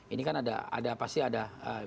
ini kan ada pasti ada